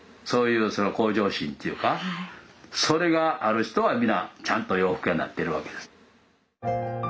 そういう向上心っていうかそれがある人は皆ちゃんと洋服屋になってるわけです。